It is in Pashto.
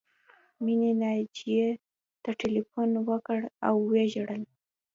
مینې ناجیې ته ټیلیفون وکړ او وژړل